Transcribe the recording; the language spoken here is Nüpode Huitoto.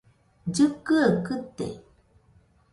Llɨkɨaɨ kɨte.